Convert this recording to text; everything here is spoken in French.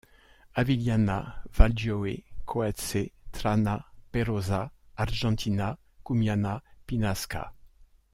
Avigliana, Valgioie, Coazze, Trana, Perosa Argentina, Cumiana, Pinasca.